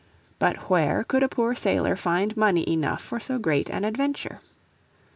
But where could a poor sailor find money enough for so great an adventure?